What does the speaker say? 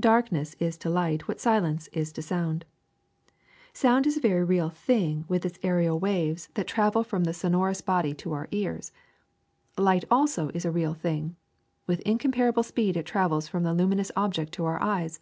Darkness is to light what silence is to sound. ^' Sound is a very real thing with its aerial waves 378 THE SECRET OF EVERYDAY THINGS that travel from the sonorous body to our ears. Light also is a real thing. With incomparable speed it travels from the luminous object to our eyes.